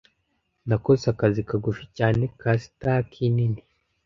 Nakoze akazi kagufi cyane ka staki nini.